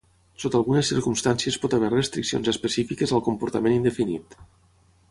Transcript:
Sota algunes circumstàncies pot haver restriccions específiques al comportament indefinit.